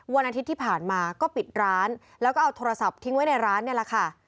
วันอาทิตย์ที่ผ่านมาก็ปิดร้านแล้วก็เอาโทรศัพท์ทิ้งไว้ในร้านนี่แหละค่ะ